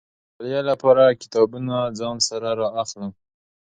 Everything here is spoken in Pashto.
د مطالعې لپاره کتابونه ځان سره را اخلم.